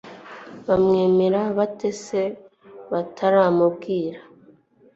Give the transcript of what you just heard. bakwemera bate se bataramubwirwa